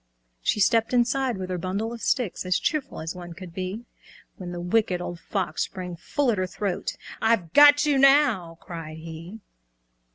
She stepped inside with her bundle of sticks, As cheerful as one could be, When the Wicked Old Fox sprang full at her throat. "I've got you now!" cried he.